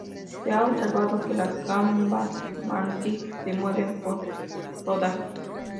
Se ha observado que las gambas mantis se mueven por rodar.